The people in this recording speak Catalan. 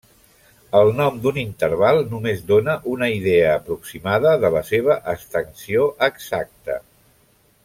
El nom d'un interval només dona una idea aproximada de la seva extensió exacta.